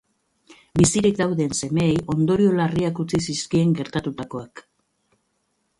Bizirik dauden semeei ondorio larriak utzi zizkien gertatutakoak.